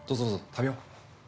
食べよう。